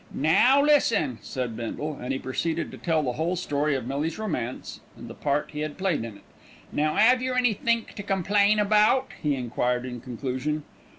"Now, listen," said Bindle; and he proceeded to tell the whole story of Millie's romance and the part he had played in it. "Now, 'ave yer any think to complain about?" he enquired in conclusion.